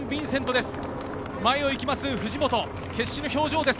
前を行く藤本、決死の表情です。